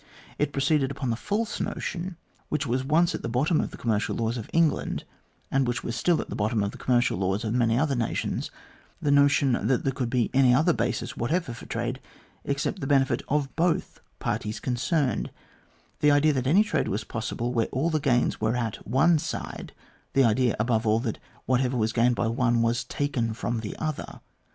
It proceeded upon the false notion which was once at the bottom of the commercial laws of England, and which was still at the bottom of the commercial laws of many other nations ; the notion that there could be any other basis whatever for trade except the benefit of both parties concerned ; the idea that any trade was possible where all the gains were at one side ; the idea, above all, that whatever was gained by one, was taken from the other.